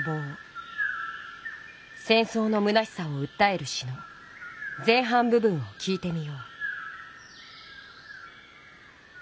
せんそうのむなしさをうったえる詩の前半ぶ分を聞いてみよう。